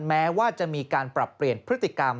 แม้ว่าจะมีการปรับเปลี่ยนพฤติกรรม